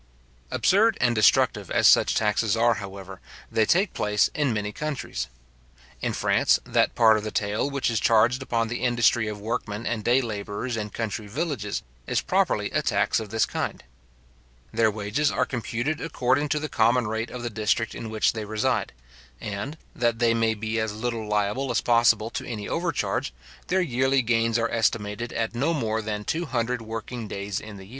Absurd and destructive as such taxes are, however, they take place in many countries. In France, that part of the taille which is charged upon the industry of workmen and day labourers in country villages, is properly a tax of this kind. Their wages are computed according to the common rate of the district in which they reside; and, that they may be as little liable as possible to any overcharge, their yearly gains are estimated at no more than two hundred working days in the year.